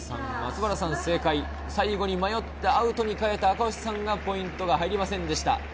最後に迷ってアウトに変えた赤星さんにはポイントが入りませんでした。